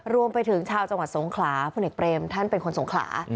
รวมไปถึงชาวจังหวัดสงขลาพลเอกเบรมท่านเป็นคนสงขลา